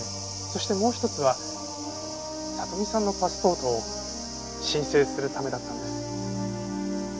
そしてもう一つは里美さんのパスポートを申請するためだったんです。